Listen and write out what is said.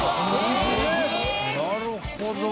なるほど。